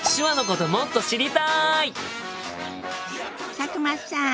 佐久間さん！